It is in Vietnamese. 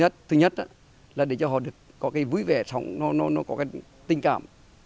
thứ nhất là để cho họ có cái vui vẻ sống nó có cái tình cảm